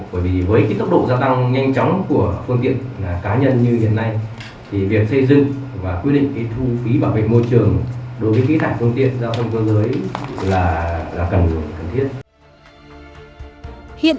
bởi vì với cái tốc độ gia tăng nhanh chóng của phương tiện cá nhân như hiện nay thì việc xây dựng và quyết định thu phí bảo vệ môi trường đối với khí thải phương tiện giao thông cơ giới là cần thiết